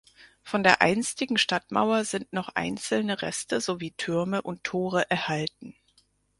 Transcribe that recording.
Von der einstigen Stadtmauer sind noch einzelne Reste sowie Türme und Tore erhalten.